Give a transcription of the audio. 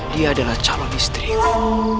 dia adalah calon istriku